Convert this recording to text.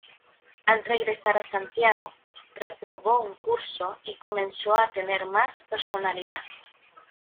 Al regresar a Santiago, reprobó un curso y comenzó a tener más personalidad.